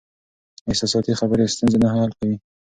احساساتي خبرې ستونزې نه حل کوي.